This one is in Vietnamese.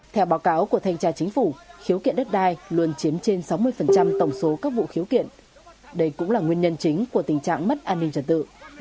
theo báo cáo của thanh tra chính phủ khiếu kiện đất đai luôn chiếm trên sáu mươi tổng số các vụ khiếu kiện đây cũng là nguyên nhân chính của tình trạng mất an ninh trật tự